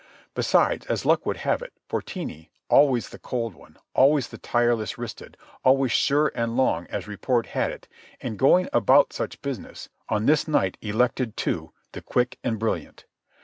Besides, as luck would have it, Fortini, always the cold one, always the tireless wristed, always sure and long, as report had it, in going about such business, on this night elected, too, the quick and brilliant.